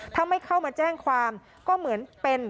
ถ้าไม่เข้ามาแจ้งความก็เหมือนเป็น